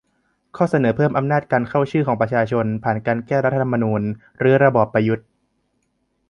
ข้อเสนอเพิ่มอำนาจการ "เข้าชื่อ" ของประชาชน ผ่านการ แก้รัฐธรรมนูญ รื้อระบอบประยุทธ์